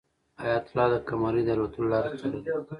حیات الله د قمرۍ د الوتلو لاره څارله.